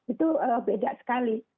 jadi kalau yang bupati sleman itu beda sekali